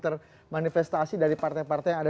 termanifestasi dari partai partai yang ada